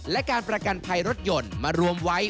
และการประกันภัยรถยนต์มารวมไว้